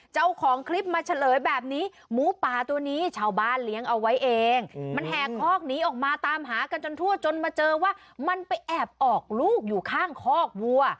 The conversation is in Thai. เจ้าของคลิปมาเฉลยแบบนี้หมูป่าตัวนี้ชาวบ้านเลี้ยงเอาไว้เองมันแห่คอกหนีออกมาตามหากันจนทั่วจนมาเจอว่ามันไปแอบออกลูกอยู่ข้างคอกวัว